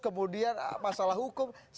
kemudian masalah hukum